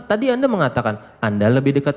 tadi anda mengatakan anda lebih dekat